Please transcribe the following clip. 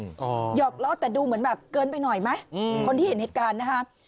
หอกล้อแต่ดูเหมือนแบบเกินไปหน่อยไหมอืมคนที่เห็นเหตุการณ์นะคะ